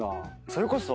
それこそ。